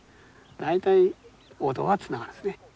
大体音はつながるんですね。